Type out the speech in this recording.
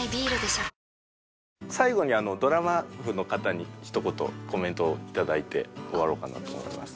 最後にドラマ部の方にひと言コメントをいただいて終わろうかなと思います。